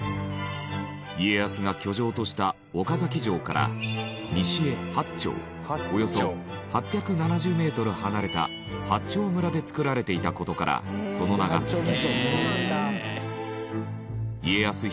家康が居城とした岡崎城から西へ八丁およそ８７０メートル離れた八丁村で造られていた事からその名が付き。